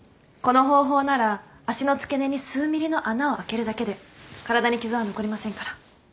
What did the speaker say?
この方法なら足の付け根に数ミリの穴を空けるだけで体に傷は残りませんから。